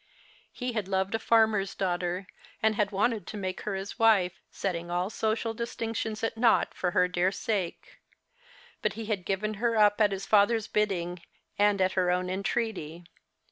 He had loved a farmer's daughter, and had wanted to make her his wife, setting all social distinctions at nought for her dear sake. But he had given her up at his father's bidding, and at her own entreaty.